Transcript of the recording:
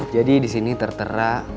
jadi di sini tertera